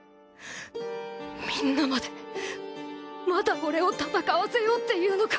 みんなまでまだ俺を戦わせようっていうのか！